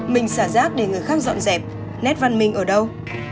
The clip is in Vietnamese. mình xả rác để người khác dọn dẹp nét văn minh ở đâu